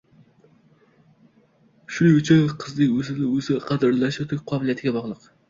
Shuning uchun qizning o'zini o'zi qadrlashi uning qobiliyatiga bog'liq